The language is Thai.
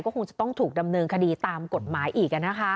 ก็คงจะต้องถูกดำเนินคดีตามกฎหมายอีกอ่ะนะคะ